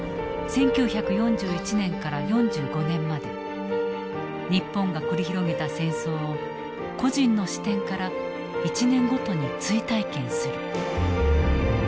１９４１年から４５年まで日本が繰り広げた戦争を個人の視点から１年ごとに追体験する。